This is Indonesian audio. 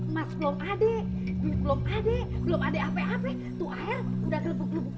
emas belum ada belum ada belum ada apa apa tuh air udah gelubu gelubu aja